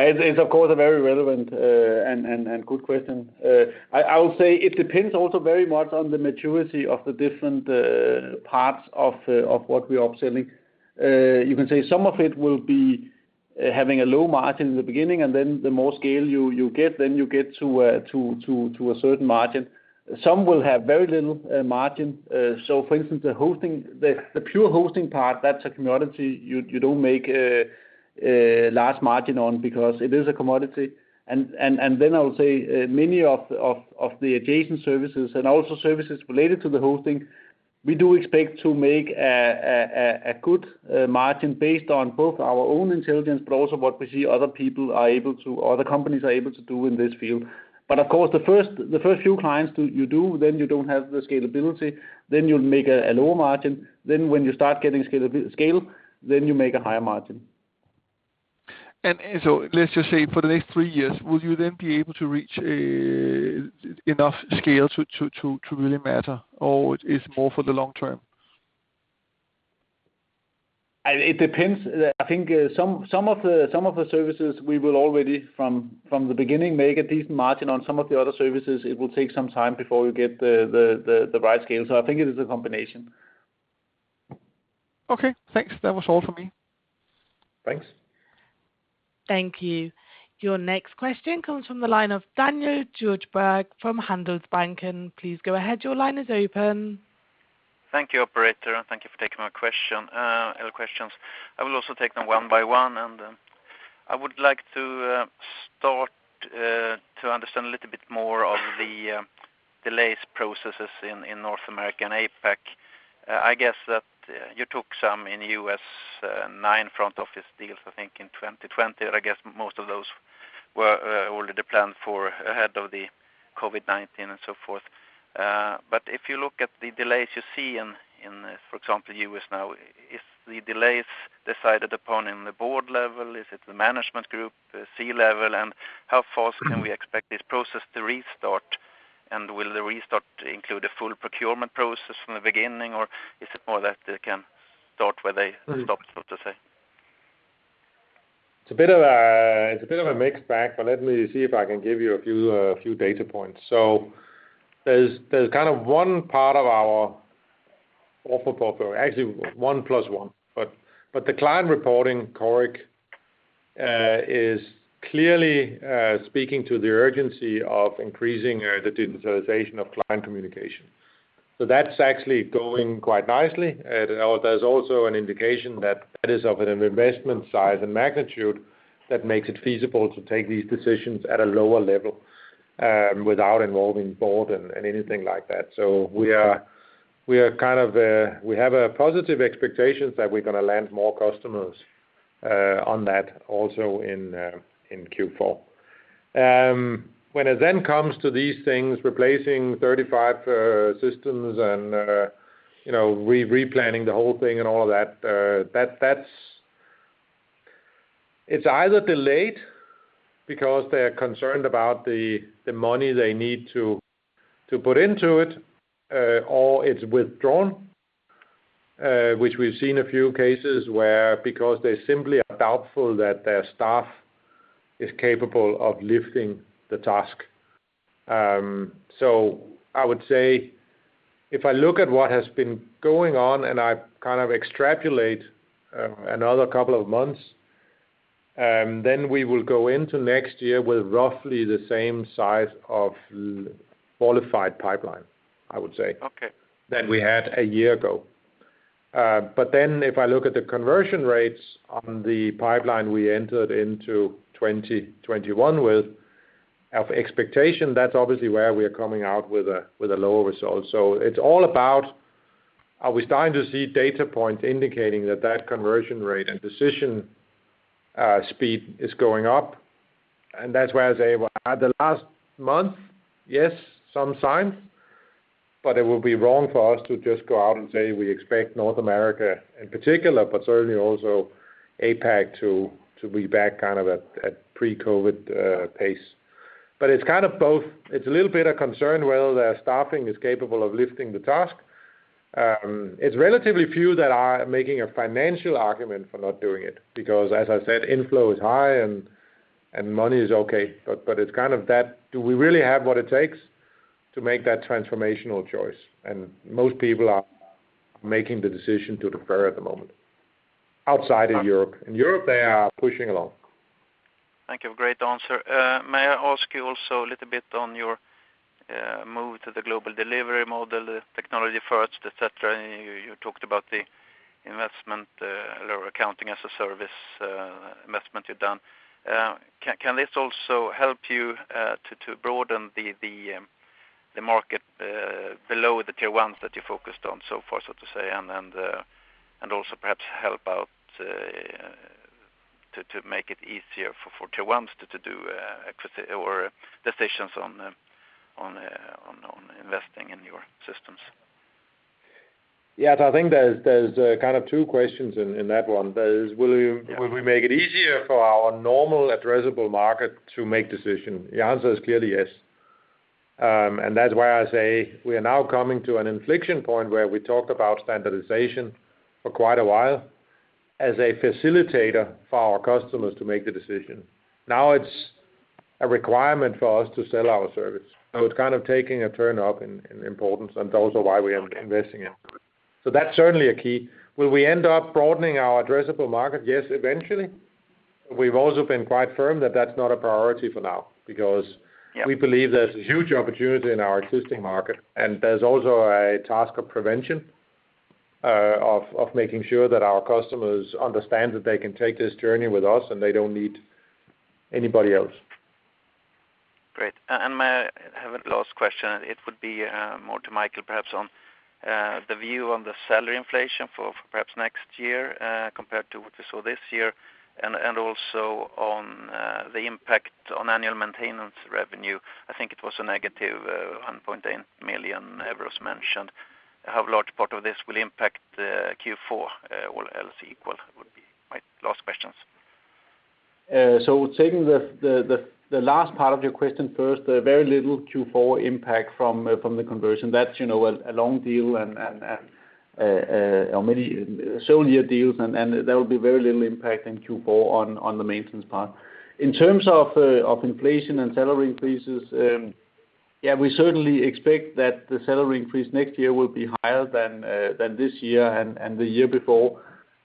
Yeah. It's of course a very relevant and good question. I would say it depends also very much on the maturity of the different parts of what we are upselling. You can say some of it will be having a low margin in the beginning, and then the more scale you get, then you get to a certain margin. Some will have very little margin. So for instance, the hosting, the pure hosting part, that's a commodity you don't make a large margin on because it is a commodity. I'll say many of the adjacent services and also services related to the hosting, we do expect to make a good margin based on both our own intelligence, but also what we see other companies are able to do in this field. Of course, the first few clients, you don't have the scalability, then you'll make a lower margin. When you start getting scale, you make a higher margin. Let's just say for the next three years, will you then be able to reach enough scale to really matter, or is it more for the long term? It depends. I think some of the services we will already from the beginning make a decent margin. On some of the other services, it will take some time before we get the right scale. I think it is a combination. Okay, thanks. That was all for me. Thanks. Thank you. Your next question comes from the line of Daniel Djurberg from Handelsbanken. Please go ahead. Your line is open. Thank you, operator, and thank you for taking my question, all questions. I will also take them one by one. I would like to start to understand a little bit more of the delays processes in North America and APAC. I guess that you took some in U.S., nine front office deals, I think, in 2020. I guess most of those were already planned for ahead of the COVID-19 and so forth. If you look at the delays you see in, for example, U.S. now, is the delays decided upon in the board level? Is it the management group, the C-level? How fast can we expect this process to restart? Will the restart include a full procurement process from the beginning, or is it more that they can start where they stopped, so to say? It's a bit of a mixed bag, but let me see if I can give you a few data points. There's kind of one part of our offer portfolio, actually one plus one. The client reporting Coric is clearly speaking to the urgency of increasing the digitalization of client communication. That's actually going quite nicely. There's also an indication that is of an investment size and magnitude that makes it feasible to take these decisions at a lower level, without involving board and anything like that. We have a positive expectations that we're gonna land more customers on that also in Q4. When it then comes to these things, replacing 35 systems and, you know, replanning the whole thing and all that's either delayed because they're concerned about the money they need to put into it, or it's withdrawn, which we've seen a few cases where because they simply are doubtful that their staff is capable of lifting the task. I would say if I look at what has been going on, and I kind of extrapolate another couple of months, then we will go into next year with roughly the same size of qualified pipeline, I would say. Okay than we had a year ago. If I look at the conversion rates on the pipeline we entered into 2021 with, our expectation, that's obviously where we are coming out with a lower result. It's all about are we starting to see data points indicating that conversion rate and decision speed is going up? That's why I say, well, in the last month, yes, some signs, but it would be wrong for us to just go out and say we expect North America in particular, but certainly also APAC to be back kind of at pre-COVID pace. It's kind of both. It's a little bit of concern whether their staffing is capable of lifting the task. It's relatively few that are making a financial argument for not doing it because, as I said, inflow is high and money is okay. It's kind of that, do we really have what it takes to make that transformational choice? Most people are making the decision to defer at the moment outside of Europe. In Europe, they are pushing along. Thank you. Great answer. May I ask you also a little bit on your move to the global delivery model, technology first, et cetera? You talked about the Investment Accounting as a Service investment you've done. Can this also help you to broaden the market below the tier ones that you focused on so far, so to say? Also perhaps help out to make it easier for tier ones to do acquisition decisions on investing in your systems? Yeah. I think there's kind of two questions in that one. There's will you- Yeah. Will we make it easier for our normal addressable market to make decision? The answer is clearly yes. That's why I say we are now coming to an inflection point where we talk about standardization for quite a while as a facilitator for our customers to make the decision. Now it's a requirement for us to sell our service. It's kind of taking a turn up in importance, and also why we are investing in. That's certainly a key. Will we end up broadening our addressable market? Yes, eventually. We've also been quite firm that that's not a priority for now because. Yeah... we believe there's a huge opportunity in our existing market, and there's also a task of prevention of making sure that our customers understand that they can take this journey with us and they don't need anybody else. Great. May I have a last question? It would be more to Michael perhaps on the view on the salary inflation for perhaps next year compared to what we saw this year, and also on the impact on annual maintenance revenue. I think it was a negative 1.8 million euros as was mentioned. How large part of this will impact Q4 all else equal would be my last questions. Taking the last part of your question first, very little Q4 impact from the conversion. You know, a long deal or many short deals and there will be very little impact in Q4 on the maintenance part. In terms of inflation and salary increases, yeah, we certainly expect that the salary increase next year will be higher than this year and the year before.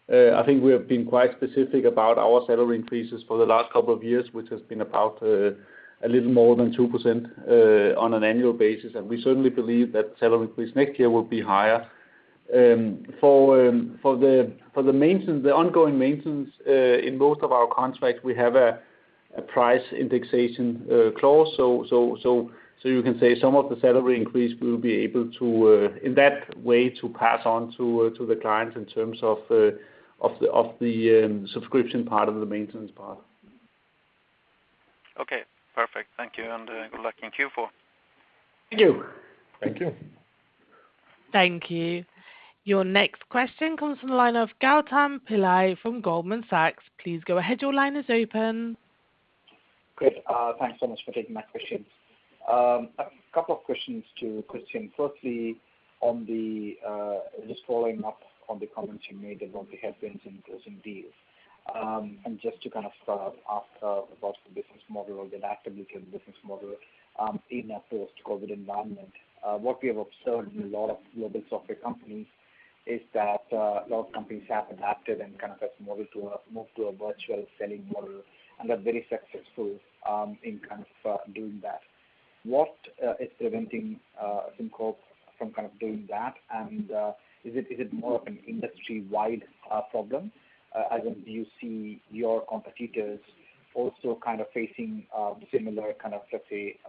I think we have been quite specific about our salary increases for the last couple of years, which has been about a little more than 2% on an annual basis. We certainly believe that salary increase next year will be higher. For the maintenance, the ongoing maintenance, in most of our contracts, we have a price indexation clause. You can say some of the salary increase will be able to, in that way, to pass on to the clients in terms of the subscription part of the maintenance part. Okay, perfect. Thank you, and good luck in Q4. Thank you. Thank you. Thank you. Your next question comes from the line of Gautam Pillai from Goldman Sachs. Please go ahead. Your line is open. Great. Thanks so much for taking my questions. A couple of questions to Christian. Firstly, on just following up on the comments you made about the headwinds in closing deals. Just to kind of ask about the business model, the active business model, in a post-COVID environment. What we have observed in a lot of global software companies is that a lot of companies have adapted and kind of moved to a virtual selling model and are very successful in kind of doing that. What is preventing SimCorp from kind of doing that? Is it more of an industry-wide problem, as in do you see your competitors also kind of facing similar kind of, let's say,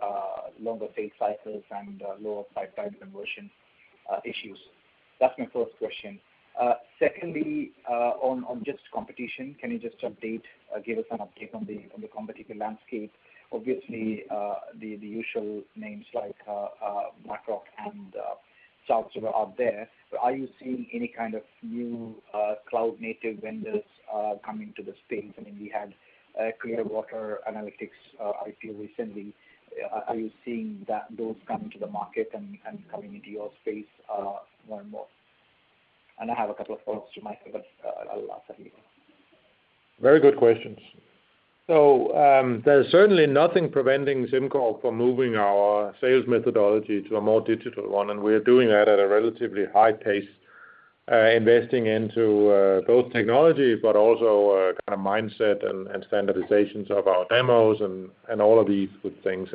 longer sales cycles and lower pipeline conversion issues? That's my first question. Secondly, on just competition, can you just update or give us an update on the competitive landscape? Obviously, the usual names like BlackRock and SS&C are out there. But are you seeing any kind of new cloud-native vendors coming to the space? I mean, we had Clearwater Analytics IPO recently. Are you seeing those come into the market and coming into your space more and more? I have a couple of follow-ups to my question, but I'll ask them later. Very good questions. There's certainly nothing preventing SimCorp from moving our sales methodology to a more digital one, and we're doing that at a relatively high pace, investing into both technology but also kind of mindset and standardizations of our demos and all of these good things.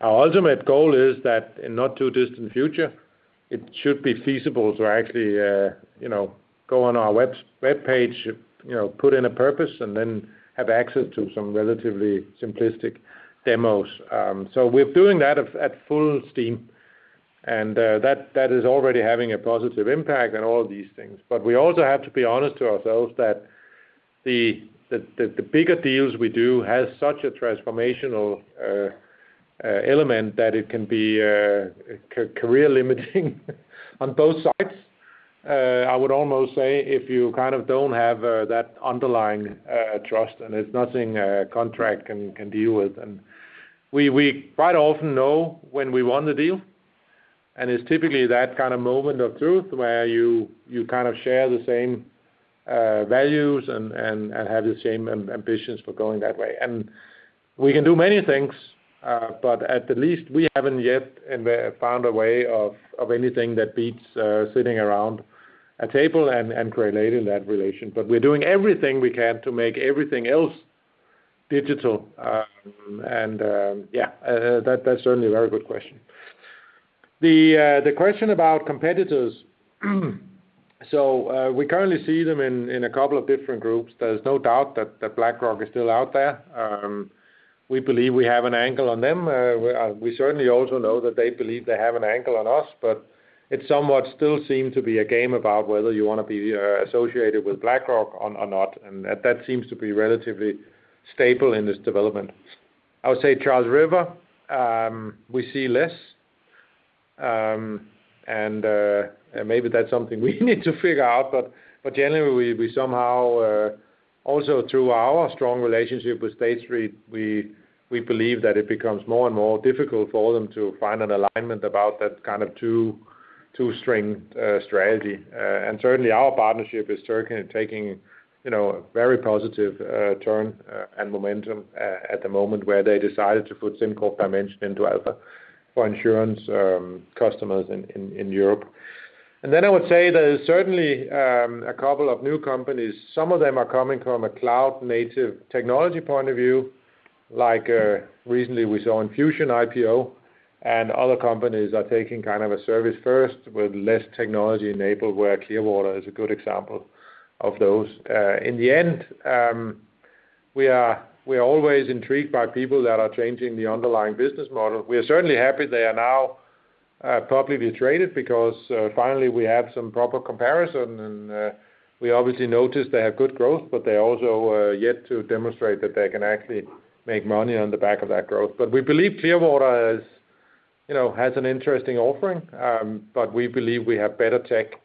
Our ultimate goal is that in not too distant future, it should be feasible to actually you know go on our web page, you know put in a purpose and then have access to some relatively simplistic demos. We're doing that at full steam, and that is already having a positive impact on all these things. We also have to be honest to ourselves that the bigger deals we do has such a transformational element that it can be career limiting on both sides. I would almost say if you kind of don't have that underlying trust, and it's nothing a contract can deal with. We quite often know when we won the deal, and it's typically that kind of moment of truth where you kind of share the same values and have the same ambitions for going that way. We can do many things, but at the least we haven't yet found a way of anything that beats sitting around a table and creating that relation. We're doing everything we can to make everything else digital. Yeah, that's certainly a very good question. The question about competitors. We currently see them in a couple of different groups. There's no doubt that BlackRock is still out there. We believe we have an angle on them. We certainly also know that they believe they have an angle on us, but it somewhat still seem to be a game about whether you wanna be associated with BlackRock or not, and that seems to be relatively stable in this development. I would say Charles River, we see less. Maybe that's something we need to figure out. Generally we somehow also through our strong relationship with State Street, we believe that it becomes more and more difficult for them to find an alignment about that kind of two-string strategy. Certainly our partnership is certainly taking, you know, a very positive turn and momentum at the moment where they decided to put SimCorp Dimension into Alpha for insurance customers in Europe. I would say there is certainly a couple of new companies. Some of them are coming from a cloud-native technology point of view, like, recently we saw Enfusion IPO and other companies are taking kind of a service first with less technology enabled, where Clearwater is a good example of those. In the end, we are always intrigued by people that are changing the underlying business model. We are certainly happy they are now publicly traded because finally we have some proper comparison. We obviously noticed they have good growth, but they also are yet to demonstrate that they can actually make money on the back of that growth. We believe Clearwater is, you know, has an interesting offering, but we believe we have better tech.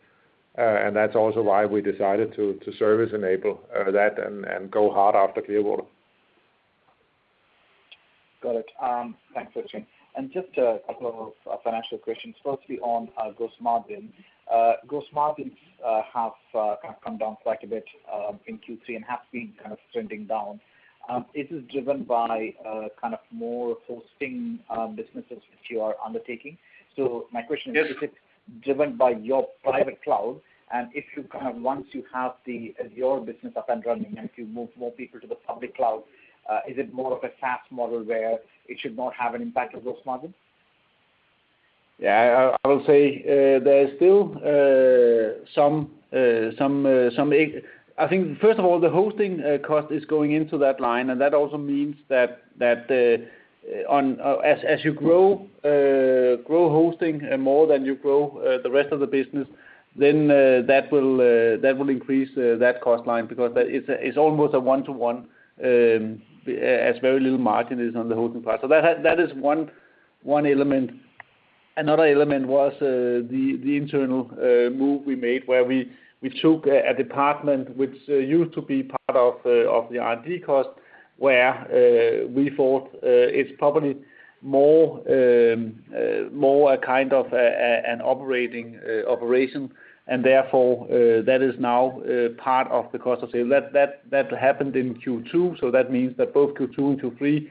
That's also why we decided to service enable that and go hard after Clearwater. Got it. Thanks for sharing. Just a couple of financial questions. Firstly, on gross margins. Gross margins have kind of come down quite a bit in Q3 and have been kind of trending down. Is this driven by kind of more hosting businesses which you are undertaking? My question Is it driven by your private cloud? If you kind of, once you have the Azure business up and running and if you move more people to the public cloud, is it more of a SaaS model where it should not have an impact on gross margin? Yeah. I will say, there is still some. I think first of all, the hosting cost is going into that line, and that also means that, as you grow hosting more than you grow the rest of the business, then that will increase that cost line because that is almost a one-to-one, as very little margin is on the hosting part. That is one element. Another element was the internal move we made where we took a department which used to be part of the R&D cost, where we thought it's probably more a kind of an operating operation. Therefore, that is now part of the cost of sale. That happened in Q2, so that means that both Q2 and Q3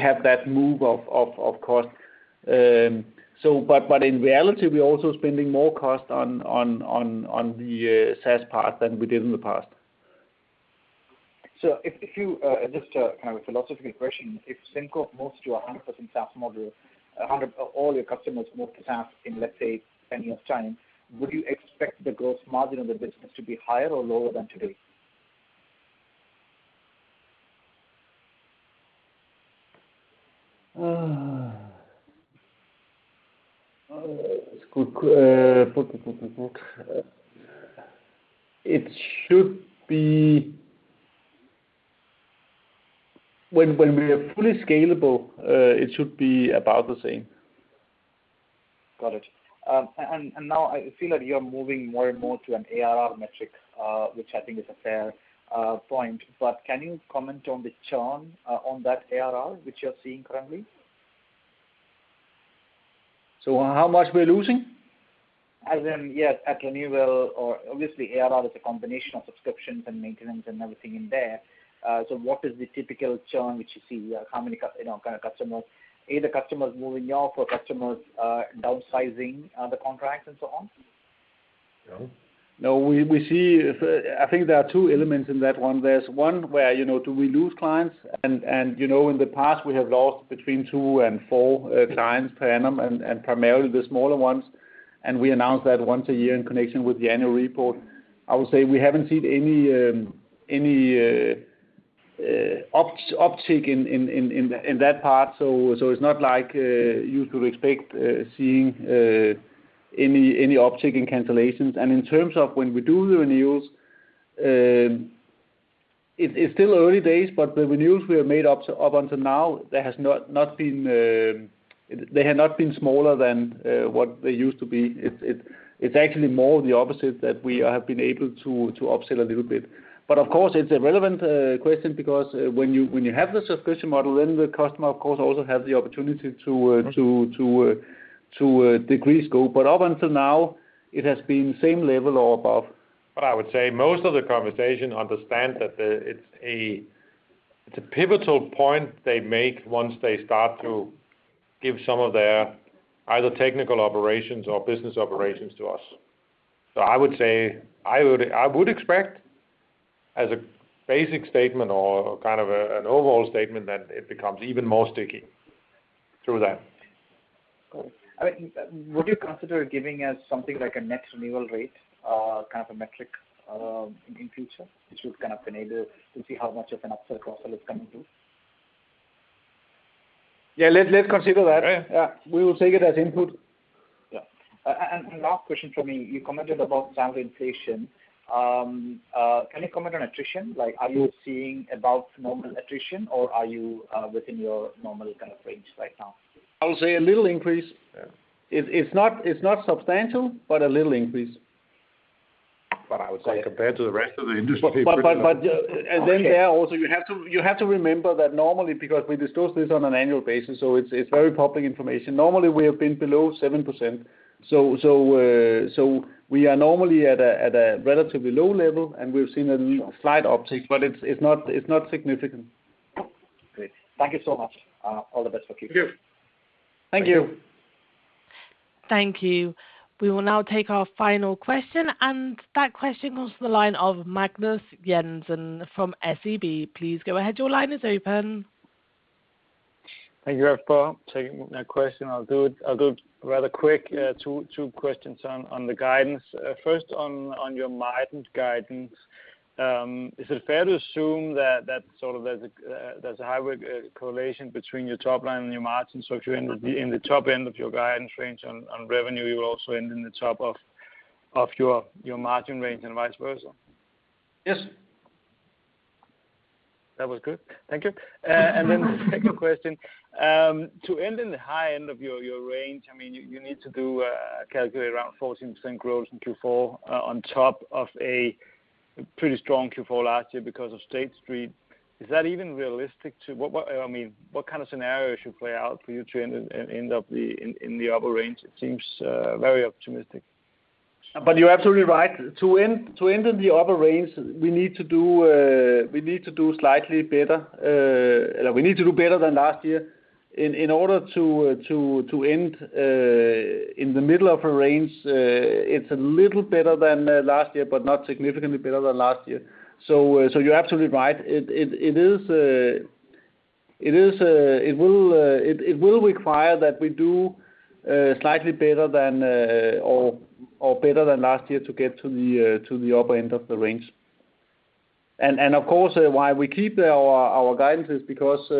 have that move of course. In reality we're also spending more cost on the SaaS part than we did in the past. Just kind of a philosophical question. If SimCorp moves to 100% SaaS model, all your customers move to SaaS in, let's say, 10 years' time, would you expect the gross margin of the business to be higher or lower than today? It's good. When we are fully scalable, it should be about the same. Got it. Now I feel that you're moving more and more to an ARR metric, which I think is a fair point. Can you comment on the churn on that ARR which you're seeing currently? How much we're losing? As in, yes, at renewal or obviously ARR is a combination of subscriptions and maintenance and everything in there. What is the typical churn which you see? How many, you know, kind of customers. Either customers moving off or customers downsizing the contracts and so on. No. We see, I think there are two elements in that one. There's one where, you know, do we lose clients? In the past we have lost between two and four clients per annum, and primarily the smaller ones, and we announce that once a year in connection with the annual report. I would say we haven't seen any uptick in that part. It's not like you could expect seeing any uptick in cancellations. In terms of when we do the renewals, it's still early days, but the renewals we have made up until now, there has not been, they have not been smaller than what they used to be. It's actually more the opposite, that we have been able to upsell a little bit. Of course, it's a relevant question because when you have the subscription model, then the customer of course also have the opportunity to decrease scope. Up until now, it has been same level or above. I would say most of the conversation understand that it's a pivotal point they make once they start to give some of their either technical operations or business operations to us. I would expect as a basic statement or kind of an overall statement that it becomes even more sticky through that. Cool. I mean, would you consider giving us something like a net renewal rate, kind of a metric, in future which would kind of enable to see how much of an upsell or cross-sell it's coming to? Yeah, let's consider that. Yeah. We will take it as input. Yeah. Last question from me. You commented about salary inflation. Can you comment on attrition? Like, are you seeing above normal attrition or are you within your normal kind of range right now? I would say a little increase. Yeah. It's not substantial, but a little increase. I would say compared to the rest of the industry. You have to remember that normally because we disclose this on an annual basis, it's very public information. Normally we have been below 7%. We are normally at a relatively low level and we've seen a slight uptick, but it's not significant. Great. Thank you so much. All the best for keep- Thank you. Thank you. Thank you. Thank you. We will now take our final question, and that question goes to the line of Magnus Jensen from SEB. Please go ahead. Your line is open. Thank you. Before taking that question, I'll do it rather quick. Two questions on the guidance. First on your margin guidance. Is it fair to assume there's a high correlation between your top line and your margin? If you end up in the top end of your guidance range on revenue, you will also end in the top of your margin range and vice versa? Yes. That was good. Thank you. Second question. To end in the high end of your range, I mean, you need to calculate around 14% growth in Q4 on top of a pretty strong Q4 last year because of State Street. Is that even realistic? What kind of scenarios should play out for you to end up in the upper range? It seems very optimistic. You're absolutely right. To end in the upper range, we need to do slightly better. We need to do better than last year in order to end in the middle of a range. It's a little better than last year, but not significantly better than last year. You're absolutely right. It will require that we do slightly better than or better than last year to get to the upper end of the range. Of course, why we keep our guidance is because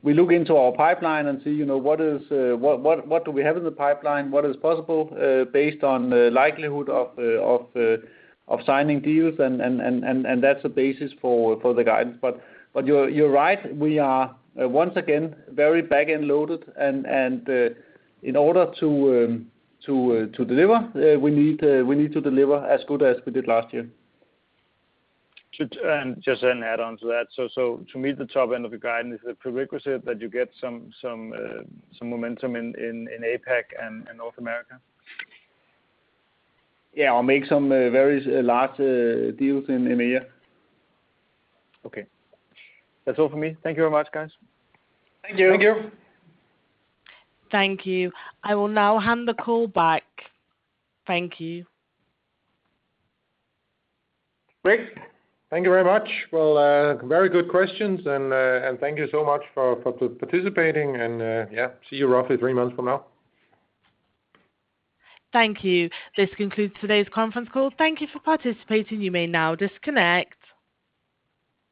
we look into our pipeline and see, you know, what do we have in the pipeline? What is possible based on the likelihood of signing deals and that's the basis for the guidance. But you're right. We are once again very back-end loaded and in order to deliver we need to deliver as good as we did last year. Just then add on to that. To meet the top end of your guidance is a prerequisite that you get some momentum in APAC and North America. Yeah, or make some very large deals in EMEA. Okay. That's all for me. Thank you very much, guys. Thank you. Thank you. I will now hand the call back. Thank you. Great. Thank you very much. Well, very good questions, and thank you so much for participating, yeah, see you roughly three months from now. Thank you. This concludes today's conference call. Thank you for participating. You may now disconnect.